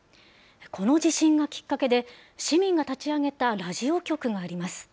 この地震がきっかけで、市民が立ち上げたラジオ局があります。